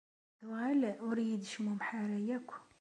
Tuɣal ur yi-d-ttecmumuḥ ara akk.